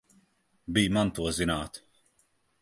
Bij man to zināt!